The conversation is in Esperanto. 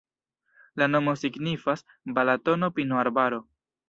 La nomo signifas: Balatono-pinoarbaro.